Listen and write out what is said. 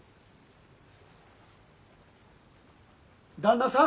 ・旦那さん